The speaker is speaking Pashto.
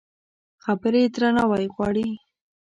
خبرې درناوی غواړي.